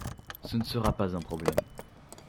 Ce ne sera pas un problème.